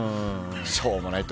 しょうもないと